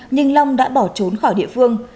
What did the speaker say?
nhưng long đã bỏ trốn khỏi địa phương